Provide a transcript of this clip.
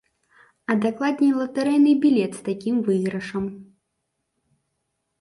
А дакладней латарэйны білет з такім выйгрышам.